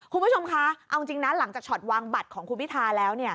คุณผู้ชมคะเอาจริงนะหลังจากช็อตวางบัตรของคุณพิทาแล้ว